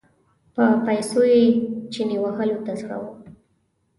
په پیسو یې چنې وهلو ته زړه و.